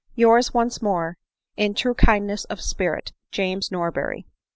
Yours once more, In true kindness of spirit, James Norberry."